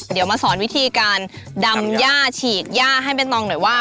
เดี๋ยวมาสอนวิธีการดำย่าฉีดย่าให้ใบตองหน่อยว่า